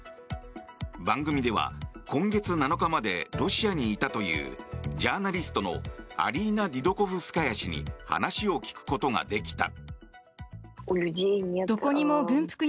番組では今月７日までロシアにいたというジャーナリストのアリーナ・ディドコフスカヤ氏に話を聞くことができた。